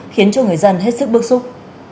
khiến cho người dân hết sức bước xúc